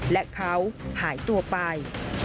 และเขาหายตัวไป